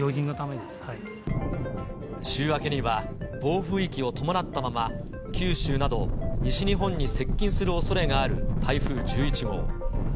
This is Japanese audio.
週明けには、暴風域を伴ったまま、九州など西日本に接近するおそれがある台風１１号。